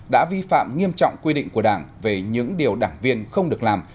đã vi phạm nghiêm trọng quy định của đảng về những điều đảng viên không được làm